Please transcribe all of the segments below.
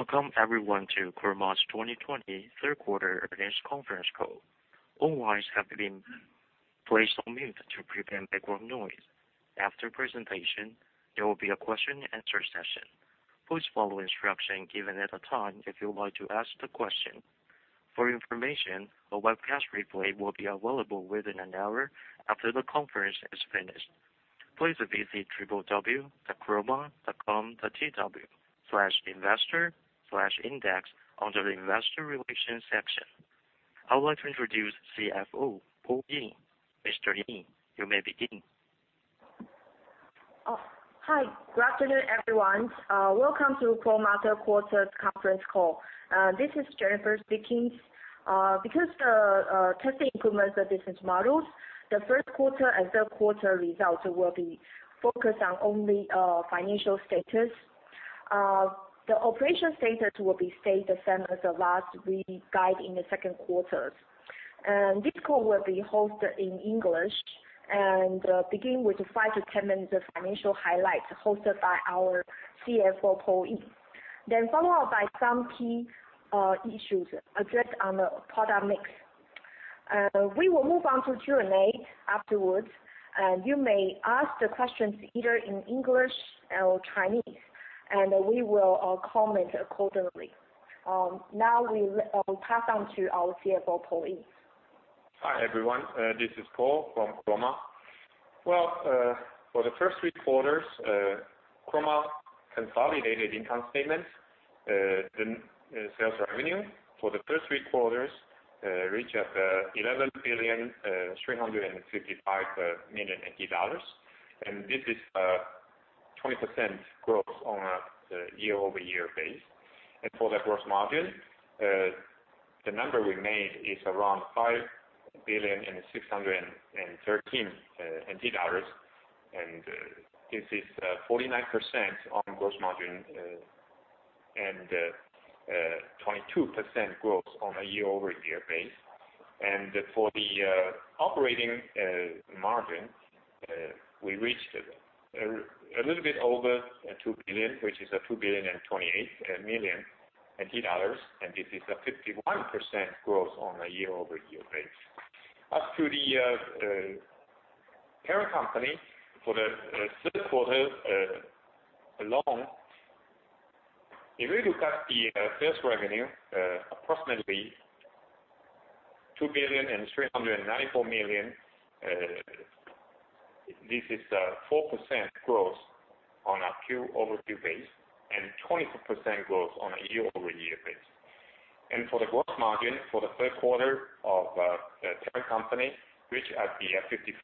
Welcome everyone to Chroma's 2020 third quarter earnings conference call. All lines have been placed on mute to prevent background noise. After presentation, there will be a question and answer session. Please follow instruction given at the time if you would like to ask the question. For information, a webcast replay will be available within an hour after the conference is finished. Please visit www.chroma.com.tw/investor/index under the investor relations section. I would like to introduce CFO, Paul Ying. Mr. Ying, you may begin. Hi. Good afternoon, everyone. Welcome to Chroma third quarter conference call. This is Jennifer speaking. Because the testing improvements and business models, the first quarter and third quarter results will be focused on only financial status. The operation status will be stay the same as the last we guide in the second quarter. This call will be hosted in English and begin with 5-10 minutes of financial highlights hosted by our CFO, Paul Ying, then followed by some key issues addressed on the product mix. We will move on to Q&A afterwards. You may ask the questions either in English or Chinese, and we will comment accordingly. Now I will pass on to our CFO, Paul Ying. Hi, everyone. This is Paul from Chroma. Well, for the first three quarters, Chroma consolidated income statement. The sales revenue for the first three quarters reached 11,355,000,000 dollars. This is a 20% growth on a year-over-year base. For the gross margin, the number we made is around 5,613,000,000 NT dollars. This is 49% on gross margin, 22% growth on a year-over-year base. For the operating margin, we reached a little bit over 2 billion, which is 2,028,000,000 dollars. This is a 51% growth on a year-over-year base. As to the parent company, for the third quarter alone, if you look at the sales revenue, approximately TWD 2,394,000,000, this is a 4% growth on a Q-over-Q base, 24% growth on a year-over-year base. For the gross margin for the third quarter of the parent company, which at the 55%.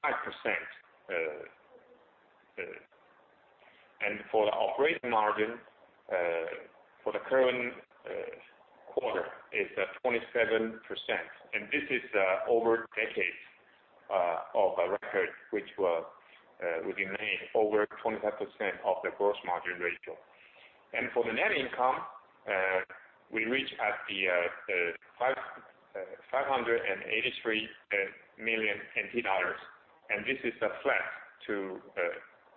For the operating margin, for the current quarter is 27%, and this is over decades of a record which was within over 25% of the gross margin ratio. For the net income, we reach at the 583 million NT dollars, and this is a flat to a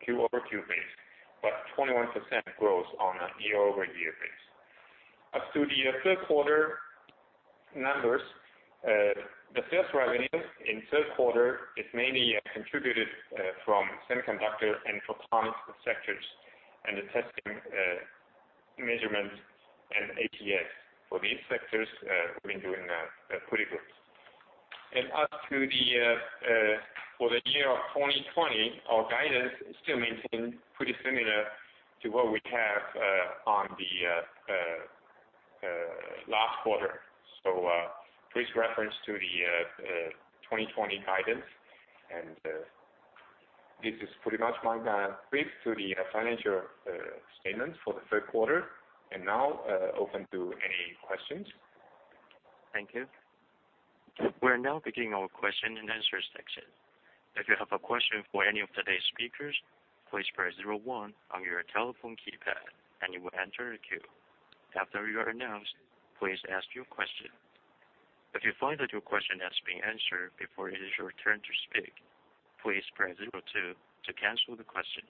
Q-over-Q base, but 21% growth on a year-over-year base. As to the third quarter numbers, the sales revenue in third quarter is mainly contributed from semiconductor and photonics sectors and the testing measurement and ATEs. For these sectors, we've been doing pretty good. For the year 2020, our guidance is still maintained pretty similar to what we have on the last quarter. Please reference to the 2020 guidance, and this is pretty much my brief to the financial statements for the third quarter, and now open to any questions. Thank you. We're now beginning our question and answer section. If you have a question for any of today's speakers, please press zero one on your telephone keypad and you will enter a queue. After you are announced, please ask your question. If you find that your question has been answered before it is your turn to speak, please press zero two to cancel the question.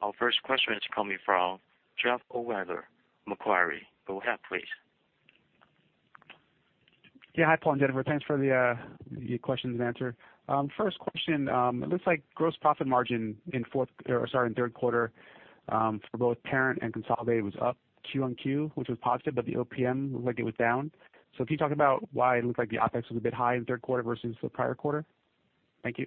Our first question is coming from Jeff Ohlweiler, Macquarie. Go ahead, please. Yeah. Hi, Paul and Jennifer. Thanks for the questions and answer. First question, it looks like gross profit margin in third quarter, for both parent and consolidated, was up Q-on-Q, which was positive, but the OPM looked like it was down. Can you talk about why it looked like the OpEx was a bit high in the third quarter versus the prior quarter? Thank you.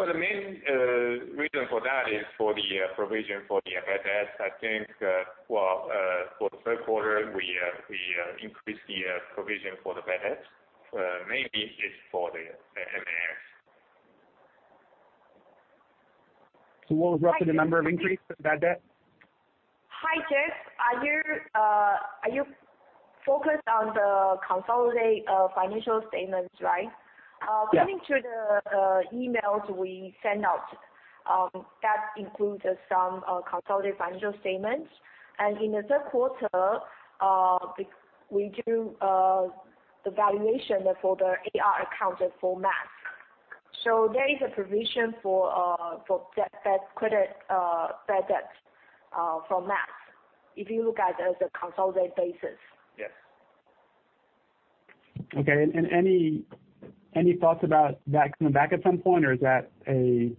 Well, the main reason for that is for the provision for the bad debts. I think, well for the third quarter, we increased the provision for the bad debts. Mainly it's for the MAS. What was roughly the number of increase for the bad debt? Hi, Jeff. Are you focused on the consolidated financial statements, right? Yes. According to the emails we sent out, that includes some consolidated financial statements. In the third quarter, we do the valuation for the AR accounts for MAS. There is a provision for bad debt from MAS, if you look at it as a consolidated basis. Yes. Okay. Any thoughts about that coming back at some point, or is that a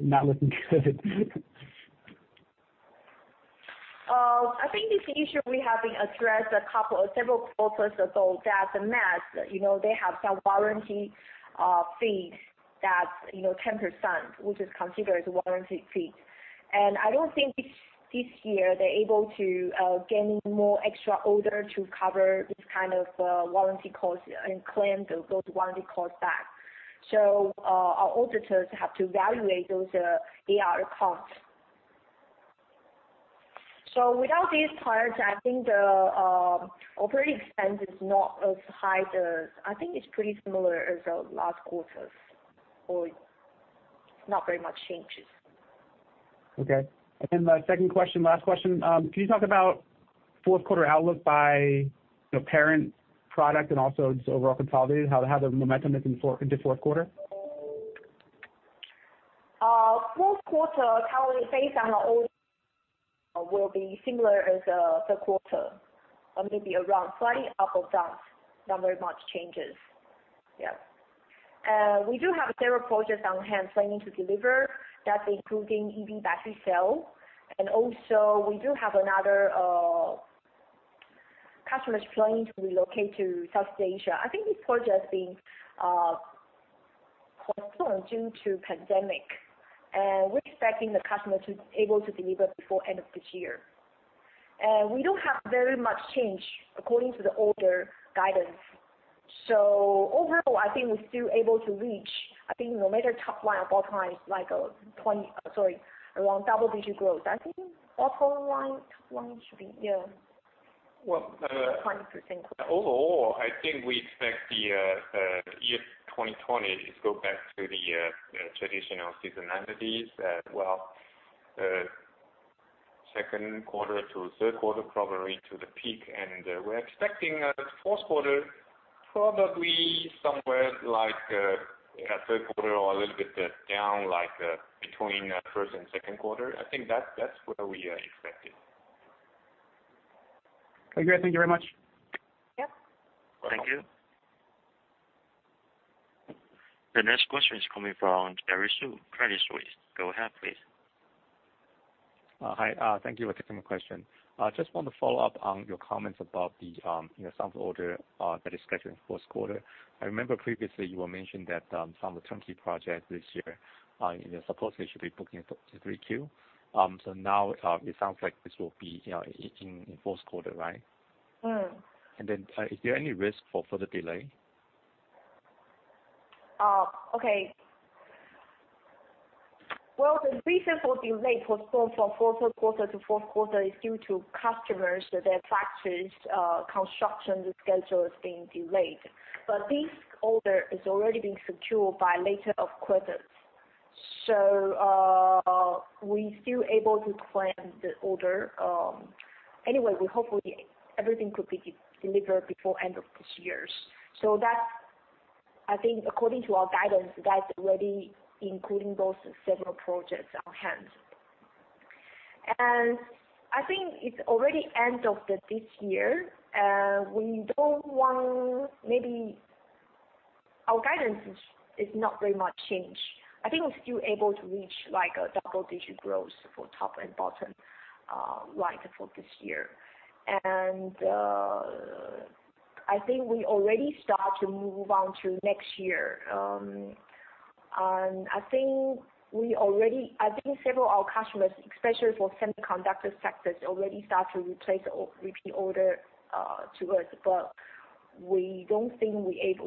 not looking good? I think this issue we have been addressed several quarters ago, that the MAS, they have some warranty fees that's 10%, which is considered as a warranty fee. I don't think this year they're able to get more extra order to cover this kind of warranty cost and claim those warranty costs back. Our auditors have to evaluate those AR accounts. Without these parts, I think the operating expense is not as high as I think it's pretty similar as the last quarters, or not very much changes. Okay. The second question, last question. Can you talk about fourth quarter outlook by parent product and also just overall consolidated, how the momentum is into fourth quarter? Fourth quarter, currently based on our order, will be similar as the third quarter, maybe around slightly up or down, not very much changes. Yep. We do have several projects on hand planning to deliver, that's including EV battery cell. Also we do have another customer that's planning to relocate to Southeast Asia. I think this project being postponed due to pandemic, we're expecting the customer to able to deliver before end of this year. We don't have very much change according to the order guidance. Overall, I think we're still able to reach, I think no matter top line or bottom line, around double-digit growth. I think bottom line, top line should be, yeah, 20% growth. I think we expect the year 2020 to go back to the traditional seasonalities, as well second quarter to third quarter probably to the peak, we're expecting fourth quarter probably somewhere like at third quarter or a little bit down like between first and second quarter. I think that's what we are expecting. Okay. Great. Thank you very much. Yep. Thank you. The next question is coming from Jerry Su, Credit Suisse. Go ahead, please. Hi. Thank you for taking my question. I just want to follow up on your comments about the sample order that is scheduled in the fourth quarter. I remember previously you mentioned that some of the turnkey projects this year, I suppose they should be booking it to 3Q. Now it sounds like this will be in fourth quarter, right? Is there any risk for further delay? Okay. Well, the reason for delay postponed from third quarter to fourth quarter is due to customers that their factories construction schedule is being delayed. This order is already being secured by later of quarters. We still able to claim the order. Anyway, we hope everything could be delivered before end of this year. I think according to our guidance, that's already including those several projects on hand. I think it's already end of this year. Our guidance is not very much changed. I think we're still able to reach like a double-digit growth for top and bottom line for this year. I think we already start to move on to next year. I think several of our customers, especially for semiconductor sectors, already start to replace repeat order to us.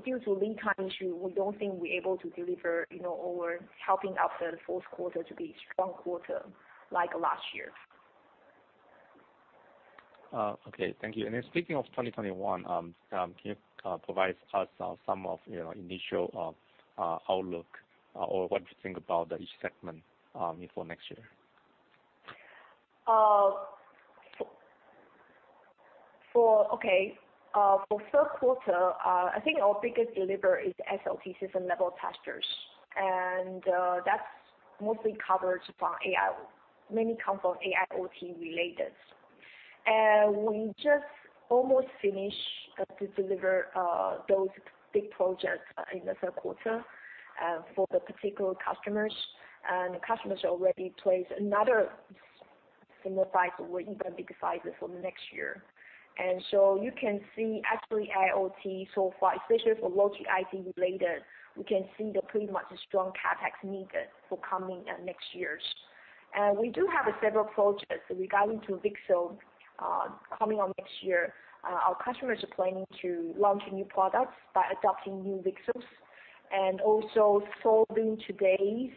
Due to lead time issue, we don't think we're able to deliver or helping out the fourth quarter to be a strong quarter like last year. Okay. Thank you. Speaking of 2021, can you provide us some of initial outlook or what you think about each segment for next year? For third quarter, I think our biggest deliver is SLT system level testers, and that's mostly covered from AI, many come from AIoT related. We just almost finished to deliver those big projects in the third quarter for the particular customers, and the customers already placed another similar size or even bigger sizes for next year. So you can see actually AIoT so far, especially for logic IC related, we can see the pretty much strong CapEx needed for coming next years. We do have several projects regarding to VCSEL coming on next year. Our customers are planning to launch new products by adopting new VCSELs and also solving today's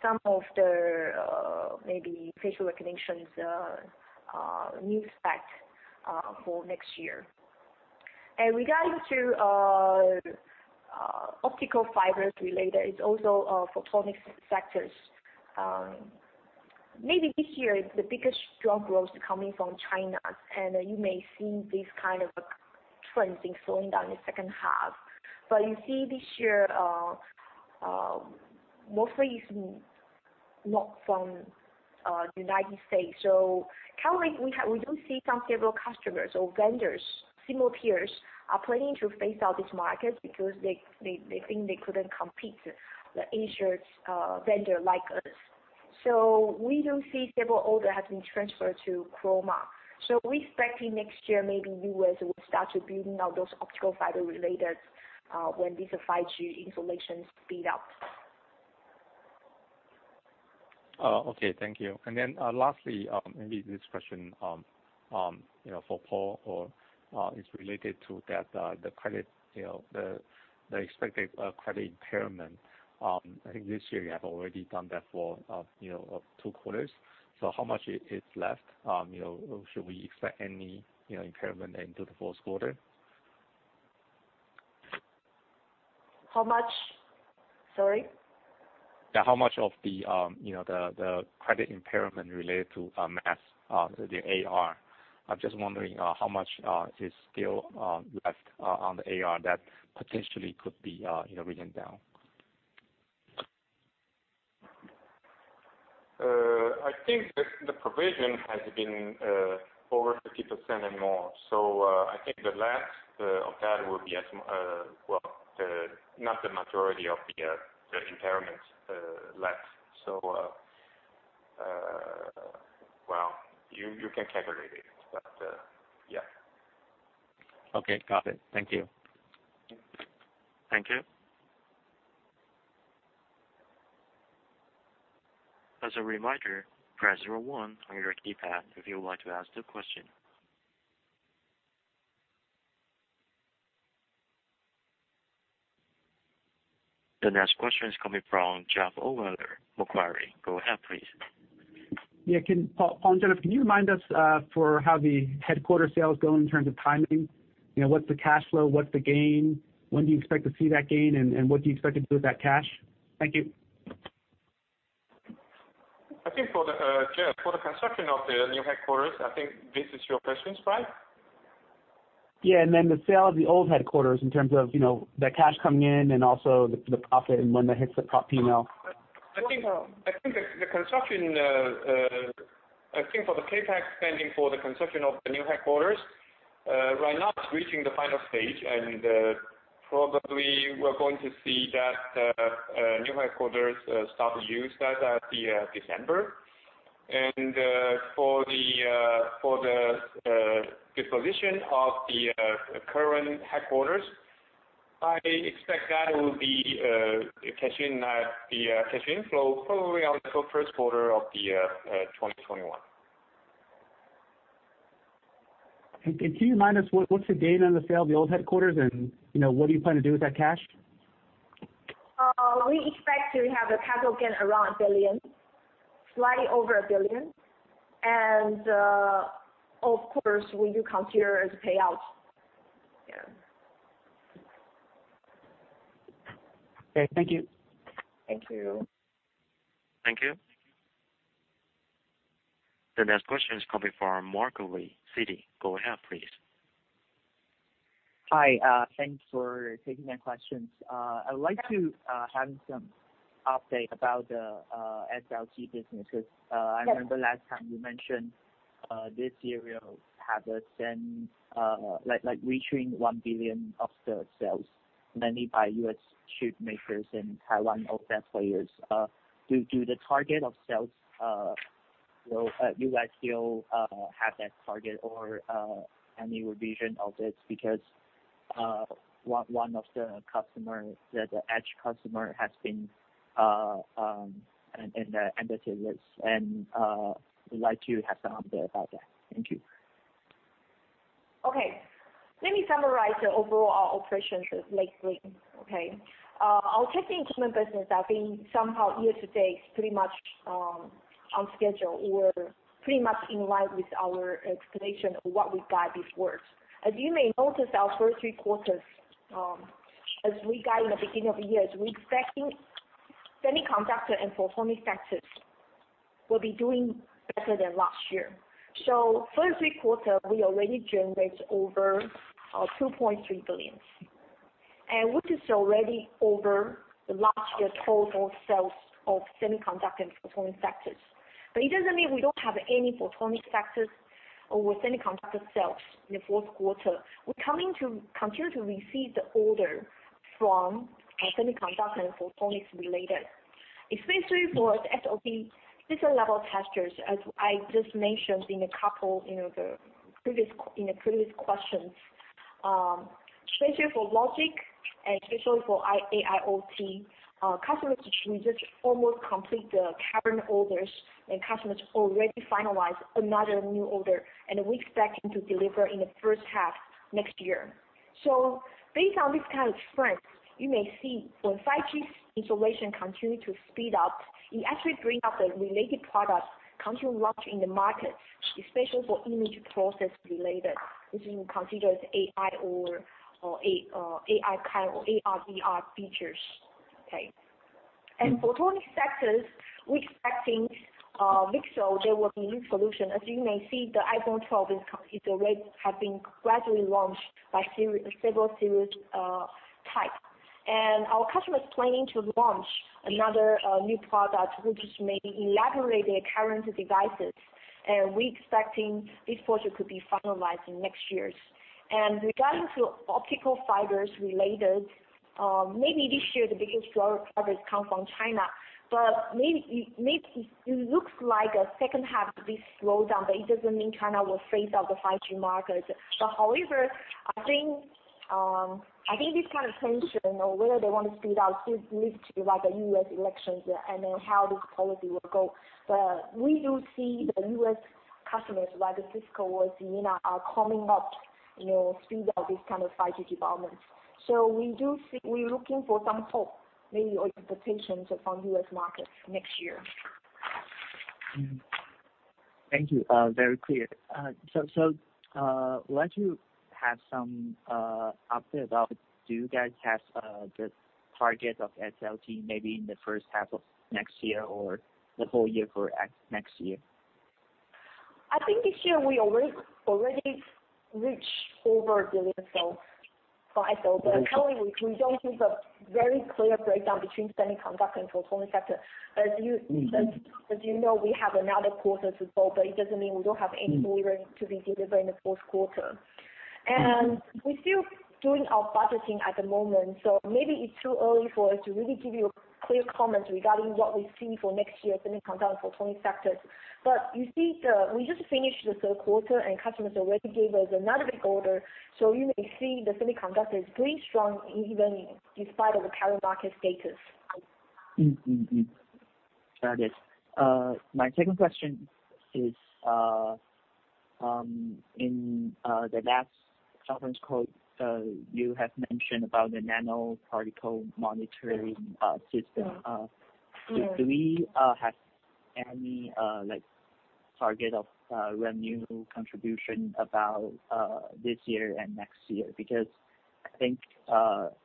some of the maybe facial recognition new spec for next year. Regarding to optical fibers related, it's also a photonic sectors. Maybe this year, the biggest strong growth is coming from China. You may see these kind of trends in slowing down the second half. You see this year, mostly it's not from the U.S. Currently, we do see some several customers or vendors, similar peers, are planning to phase out this market because they think they couldn't compete the Asian vendor like us. We do see several order has been transferred to Chroma. We expecting next year, maybe the U.S. will start to building out those optical fiber related, when these 5G installations speed up. Okay. Thank you. Lastly, maybe this question for Paul, or it's related to the expected credit impairment. I think this year you have already done that for two quarters. How much is left? Should we expect any impairment into the fourth quarter? How much? Sorry. Yeah, how much of the credit impairment related to the AR? I'm just wondering how much is still left on the AR that potentially could be written down? I think the provision has been over 50% and more. I think the last of that will be, well, not the majority of the impairments left. Well, you can calculate it. Yeah. Okay. Got it. Thank you. Thank you. As a reminder, press zero one on your keypad if you would like to ask the question. The next question is coming from Jeff Ohlweiler, Macquarie. Go ahead, please. Yeah. Paul and Jennifer, can you remind us for how the headquarter sales going in terms of timing? What's the cash flow? What's the gain? When do you expect to see that gain, and what do you expect to do with that cash? Thank you. I think, Jeff, for the construction of the new headquarters, I think this is your question, right? Yeah. Then the sale of the old headquarters in terms of the cash coming in and also the profit and when that hits the top P&L? I think for the CapEx spending for the construction of the new headquarters, right now it's reaching the final stage, probably we're going to see that new headquarters start to use that at December. For the disposition of the current headquarters, I expect that will be the cash inflow probably around the first quarter of 2021. Can you remind us what's the gain on the sale of the old headquarters and what do you plan to do with that cash? We expect to have the cash gain around billion, slightly over 1 billion. Of course, we do consider as payout. Yeah. Okay. Thank you. Thank you. Thank you. The next question is coming from Mark Lee, Citi. Go ahead, please. Hi. Thanks for taking their questions. I would like to have some update about the SLT business. Yes I remember last time you mentioned this year you have a stand like reaching 1 billion of the sales, mainly by U.S. chip makers and Taiwan players. Do you do the target of sales? Will you guys still have that target or any revision of it? Because one of the customer, the edge customer, has been in the Entity List, and we'd like to have some update about that? Thank you. Okay. Let me summarize the overall operations lately. Okay. Our testing instrument business, I think somehow year-to-date is pretty much on schedule. We're pretty much in line with our explanation of what we guide before. As you may notice, our first three quarters, as we guide in the beginning of the year, is we expecting semiconductor and photonic sectors will be doing better than last year. First three quarter, we already generate over 2.3 billion, and which is already over the last year total sales of semiconductor and photonic sectors. It doesn't mean we don't have any photonic sectors or semiconductor sales in the fourth quarter. We're continue to receive the order from semiconductor and photonics-related, especially for the SLT system level testers, as I just mentioned in the previous questions. Especially for logic and especially for AIoT, customers choose just almost complete the current orders, and customers already finalize another new order, and we expecting to deliver in the first half next year. Based on this kind of trend, you may see when 5G installation continues to speed up, it actually brings up the related products continue to launch in the market, especially for image process related, which you consider as AI or AR/VR features. Okay. Photonic sectors, we're expecting VCSEL, there will be new solution. As you may see, the iPhone 12 is already have been gradually launched by several series type. Our customer is planning to launch another new product, which may elevate their current devices, and we're expecting this project could be finalized in next year. Regarding to optical fibers related, maybe this year, the biggest growth probably come from China, but maybe it looks like a second half, this slows down, but it doesn't mean China will phase out the 5G market. However, I think this kind of tension or whether they want to speed up still needs to be like the U.S. elections, and then how this policy will go. We do see the U.S. customers like Cisco or Ciena are coming up speed up this kind of 5G development. We're looking for some hope, maybe, or expectations from U.S. markets next year. Thank you. Very clear. Once you have some update about, do you guys have the target of SLT maybe in the first half of next year or the whole year for next year? I think this year we already reached over [1 billion, so 5 billion]. Currently, we don't give a very clear breakdown between semiconductor and photonics sector. As you know, we have another quarter to go, but it doesn't mean we don't have any delivery to be delivered in the fourth quarter. We're still doing our budgeting at the moment, so maybe it's too early for us to really give you a clear comment regarding what we see for next year semiconductor and photonics sectors. You see, we just finished the third quarter, and customers already gave us another big order. You may see the semiconductor is pretty strong even despite of the current market status. Mm-hmm. Got it. My second question is, in the last conference call, you have mentioned about the nanoparticle monitoring system. Yeah. Do we have any target of revenue contribution about this year and next year? Because I think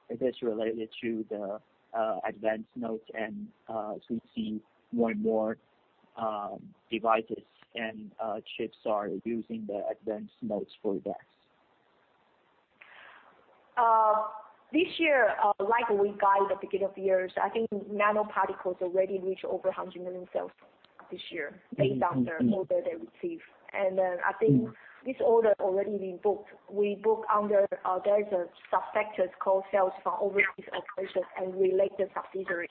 it is related to the advanced node, and as we see more and more devices and chips are using the advanced nodes for that? This year, like we guide at the beginning of the year, I think nanoparticle already reached over 100 million sales this year based on the order they received. Then I think this order already been booked. We book under, there's a sub-sectors called sales from overseas operations and related subsidiaries.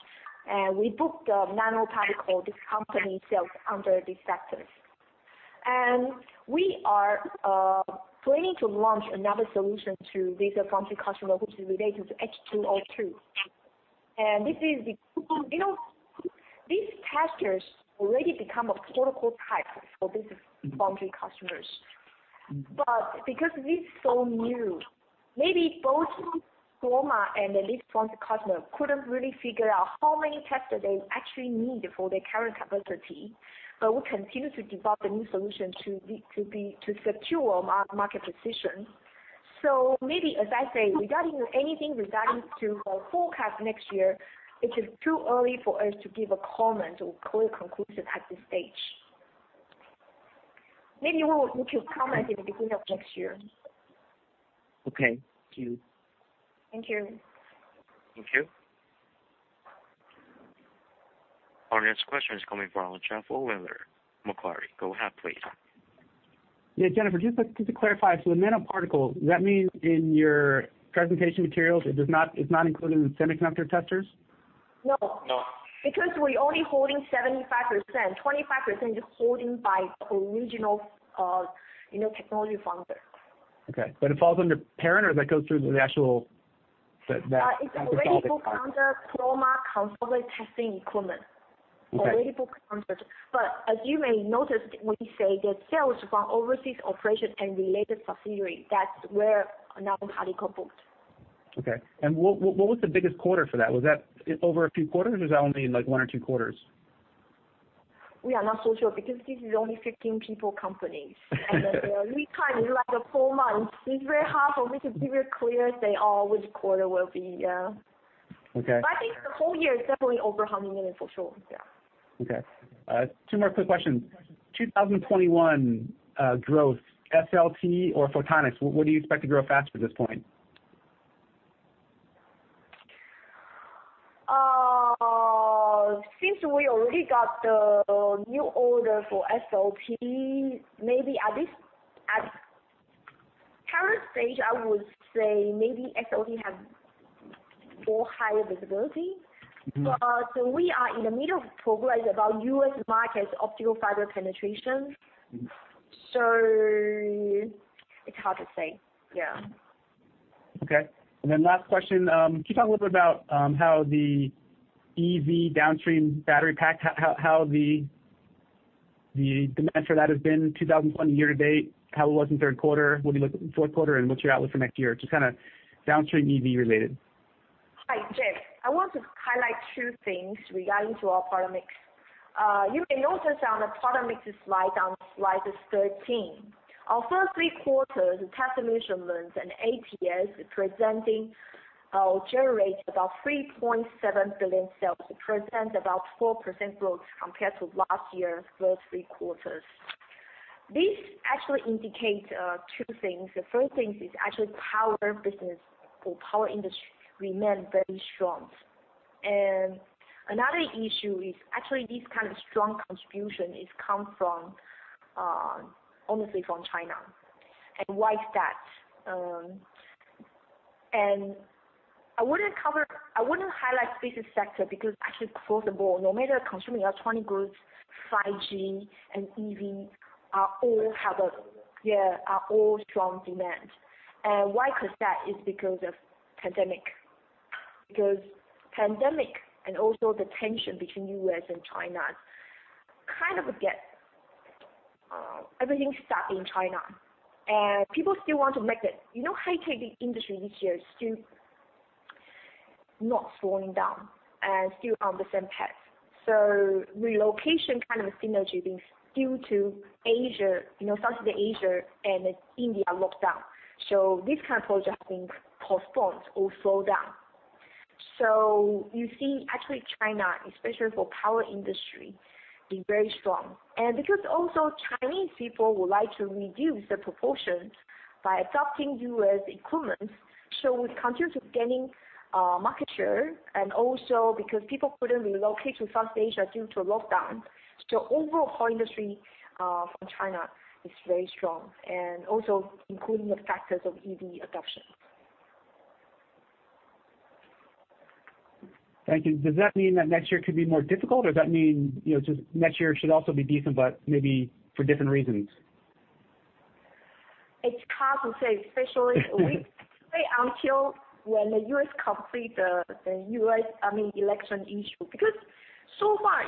We book the nanoparticle, this company sales under this sectors. We are planning to launch another solution to this leading foundry customer, which is related to H2O2. These testers already become a protocol type for these foundry customers. Because this is so new, maybe both Chroma and the leading foundry customer couldn't really figure out how many testers they actually need for their current capacity. We continue to develop the new solution to secure our market position. Maybe as I say, regarding anything regarding to our forecast next year, it is too early for us to give a comment or clear conclusion at this stage. Maybe we will make a comment in the beginning of next year. Okay. Thank you. Thank you. Thank you. Our next question is coming from Jeff Ohlweiler, Macquarie. Go ahead, please. Yeah. Jennifer, just to clarify, so the nanoparticle, does that mean in your presentation materials, it's not included in the semiconductor testers? No. No. Because we're only holding 75%, 25% is holding by original technology founder. Okay. It falls under parent or that goes through the actual? It's already book under Chroma consolidated testing equipment. Okay. Already book under. As you may notice, we say that sales from overseas operation and related subsidiaries, that's where nanoparticle booked. Okay. What was the biggest quarter for that? Was that over a few quarters, or was that only in one or two quarters? We are not so sure because this is only 15 people company. The lead time is like a four months. It's very hard for me to give a clear say on which quarter will be. Okay. I think the whole year is definitely over 100 million, for sure. Yeah. Okay. Two more quick questions. 2021 growth, SLT or Photonics, what do you expect to grow faster at this point? Since we already got the new order for SLT, maybe at current stage, I would say maybe SLT have more higher visibility. We are in the middle of progress about U.S. markets optical fiber penetration. It's hard to say. Yeah. Okay. Last question, can you talk a little bit about how the EV downstream battery pack, how the demand for that has been 2020 year-to-date, how it was in third quarter, what do you look at in fourth quarter, and what's your outlook for next year? Just downstream EV related. Hi, Jeff. I want to highlight two things regarding our product mix. You may notice on the product mix slide on slide 13. Our first three quarters, test solutions and ATE generating about 3.7 billion sales, represents about 4% growth compared to last year's first three quarters. This actually indicates two things. The first thing is actually power business or power industry remains very strong. Another issue is actually this kind of strong contribution comes mostly from China, and why is that? I want to highlight business sector because actually across the board, no matter consumer electronic goods, 5G, and EV, are all strong demand. Why is that? It's because of pandemic. Because pandemic, and also the tension between U.S. and China, everything stopped in China. People still want to make the high-tech industry this year is still not slowing down and still on the same path. Relocation kind of a synergy being still to Asia, Southeast Asia, and India locked down. This kind of project has been postponed or slowed down. You see actually China, especially for power industry, is very strong. Because also Chinese people would like to reduce the proportions by adopting U.S. equipment. With countries gaining market share and also because people couldn't relocate to Southeast Asia due to lockdown. Overall, our industry from China is very strong, and also including the factors of EV adoption. Thank you. Does that mean that next year could be more difficult, or does that mean just next year should also be decent but maybe for different reasons? It's hard to say, especially, wait until when the U.S. complete the election issue. So far,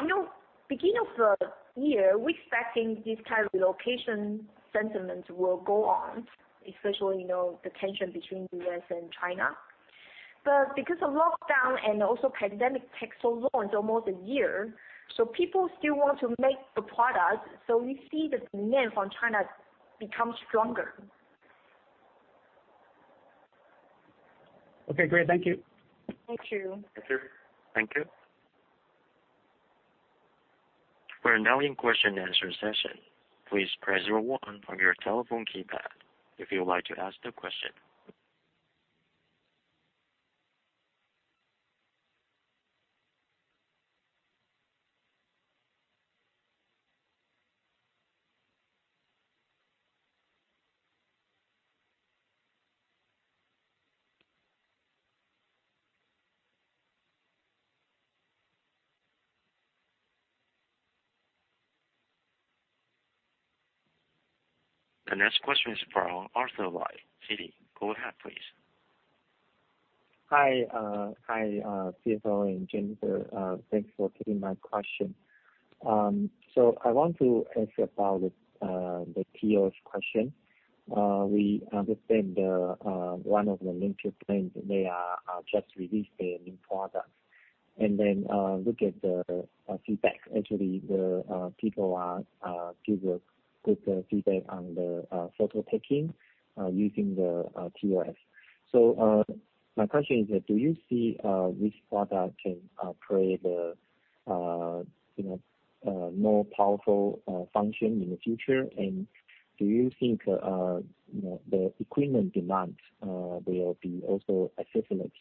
beginning of the year, we expecting this kind of relocation sentiment will go on, especially the tension between U.S. and China. Because of lockdown and also pandemic take so long, it's almost a year, people still want to make the product, we see the demand from China become stronger. Okay, great. Thank you. Thank you. Thank you. Thank you. We are now in question and answer session. Please press zero one on your telephone keypad if you would like to ask the question. The next question is from Arthur Lai from Citi. Go ahead, please. Hi, CFO and Jennifer. Thanks for taking my question. I want to ask about the TOF question. We understand one of the major trends, they are just released their new product. Look at the feedback. Actually, the people give a good feedback on the photo taking using the TOF. My question is that, do you see this product can play the more powerful function in the future, and do you think the equipment demand will be also accelerating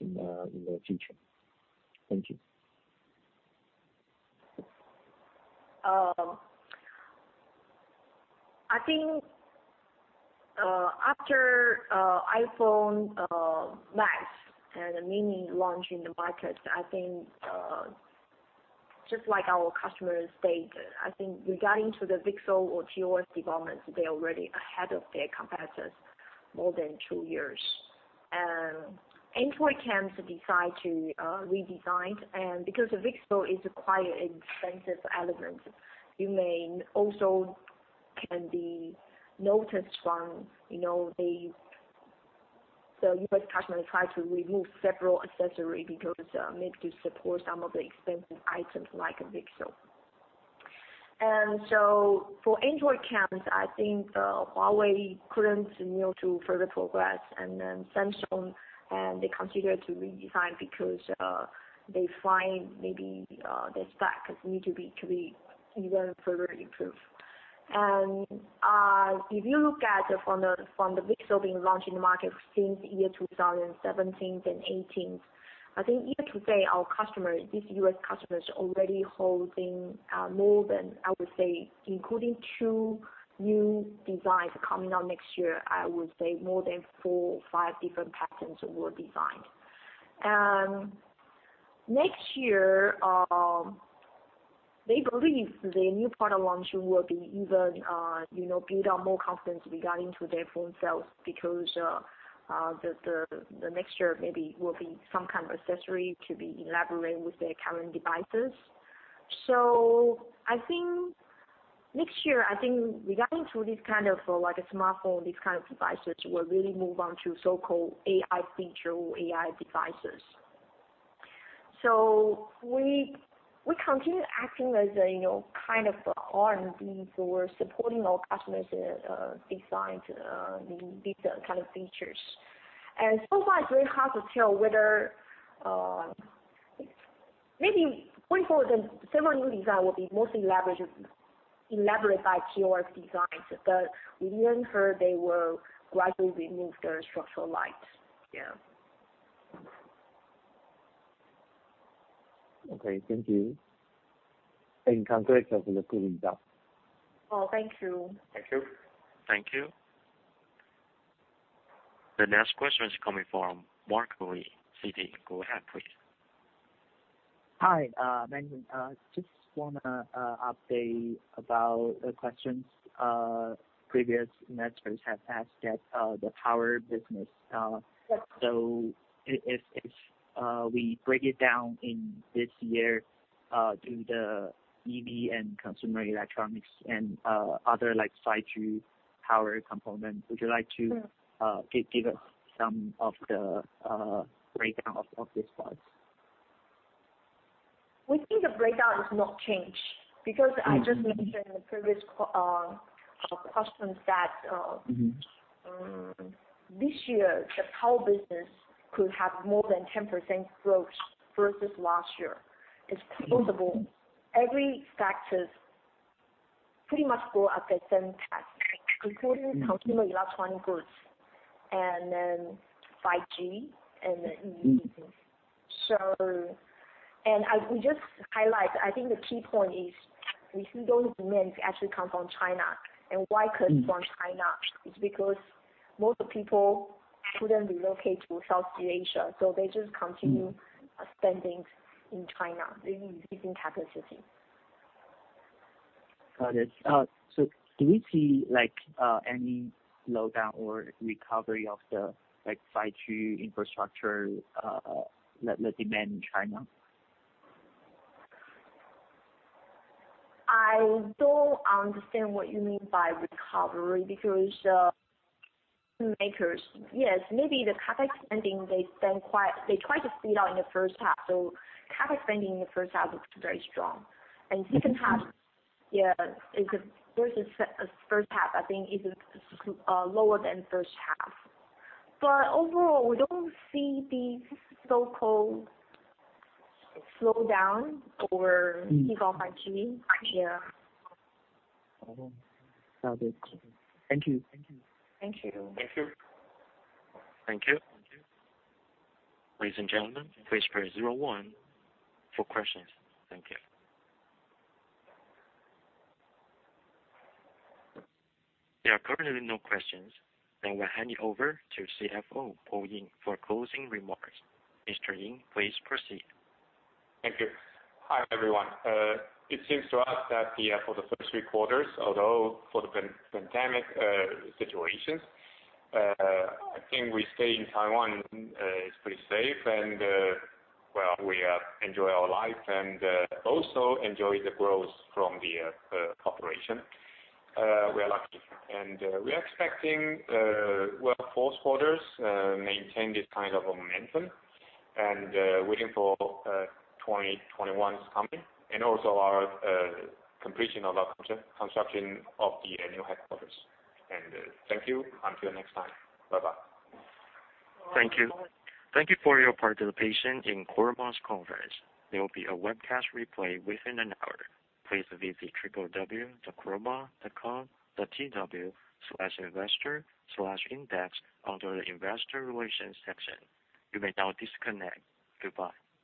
in the future? Thank you. I think after iPhone Max and the Mini launch in the market, I think just like our customers state, I think regarding to the VCSEL or TOF developments, they're already ahead of their competitors more than two years. Android camp decide to redesign, and because the VCSEL is a quite expensive element, you may also can be noticed from the U.S. customers try to remove several accessory because need to support some of the expensive items like VCSEL. For Android camp, I think Huawei couldn't seem to further progress, and then Samsung, and they consider to redesign because they find maybe the specs need to be even further improved. If you look at from the VCSEL being launched in the market since year 2017 and 2018, I think you could say our customers, these U.S. customers, are already holding more than, I would say, including two new designs coming out next year, I would say more than four or five different patterns were designed. Next year, they believe the new product launch will build up more confidence regarding to their phone sales because next year maybe will be some kind of accessory to be elaborated with their current devices. I think next year, I think regarding to this kind of smartphone, these kind of devices will really move on to so-called AI feature or AI devices. We continue acting as a kind of R&D for supporting our customers design these kind of features. So far, it's very hard to tell whether Maybe going forward, the similar new design will be mostly elaborated by [Qorvo's] designs. We learned here they will gradually remove their structured light. Yeah. Okay. Thank you, and congrats on the good result. Oh, thank you. Thank you. Thank you. The next question is coming from Mark Lee, Citi. Go ahead, please. Hi, Jen. Just want an update about questions previous investors have asked at the power business. Yes. If we break it down in this year due to the EV and consumer electronics and other 5G power components, would you like to give us some of the breakdown of these parts? We think the breakdown is not changed, because I just mentioned in the previous questions that this year the power business could have more than 10% growth versus last year. It's possible. Every factor pretty much grow at the same pace, including consumer electronic goods and then 5G and then EV. We just highlight, I think the key point is we see those demands actually come from China. Why comes from China? It's because most people couldn't relocate to Southeast Asia, so they just continue spending in China. They need increasing capacity. Got it. Do we see any slowdown or recovery of the 5G infrastructure, the demand in China? I don't understand what you mean by recovery, because makers, yes, maybe the CapEx spending, they try to speed up in the first half. CapEx spending in the first half looks very strong. Second half, yeah, versus first half, I think it is lower than first half. Overall, we don't see the so-called slowdown or give up 5G in China. Got it. Thank you. Thank you. Ladies and gentlemen please press zero one for questions Thank you. They are probably no questions I will hand it over to CFO Paul Ying for closing remarks, Thank you. Hi, everyone. It seems to us that for the first three quarters, although for the pandemic situations, I think we stay in Taiwan is pretty safe, and well, we enjoy our life and also enjoy the growth from the corporation. We are lucky. We are expecting fourth quarters maintain this kind of a momentum, and waiting for 2021's coming and also our completion of our construction of the new headquarters. Thank you. Until next time. Bye-bye. Thank you. Thank you for your participation in Chroma's conference. There will be a webcast replay within an hour. Please visit www.chroma.com.tw/investor/index under the investor relations section. You may now disconnect. Goodbye.